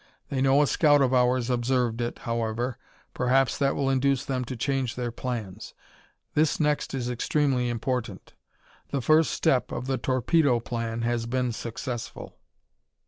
They know a scout of ours observed it, however; perhaps that will induce them to change their plans. This next is extremely important: _The first step of the Torpedo Plan has been successful!"